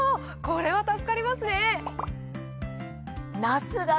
これは助かりますね。